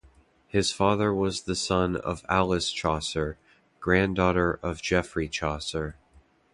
His father was the son of Alice Chaucer, granddaughter of Geoffrey Chaucer.